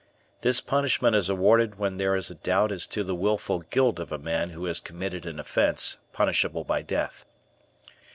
This punishment is awarded where there is a doubt as to the willful guilt of a man who has committed an offence punishable by death.